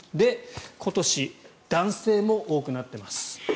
今年、男性も多くなってます。